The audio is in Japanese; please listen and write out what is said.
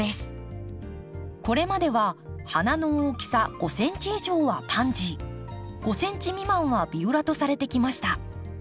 これまでは花の大きさ５ｃｍ以上はパンジー５ｃｍ未満はビオラとされてきました。